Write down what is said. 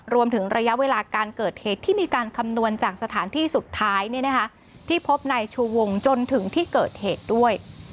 รวมถึงระยะเวลาการเกิดเหตุที่มีการคำนวณจากสถานที่สุดท้ายที่พบในชูวงจนถึงที่เกิดเหตุด้วย